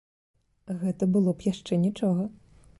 Гэта было б яшчэ нічога.